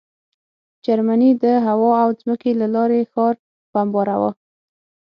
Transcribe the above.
جرمني د هوا او ځمکې له لارې ښار بمباراوه